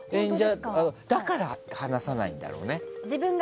だから話さないんだろうね。